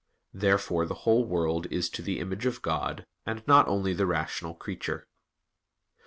Therefore the whole world is to the image of God, and not only the rational creature.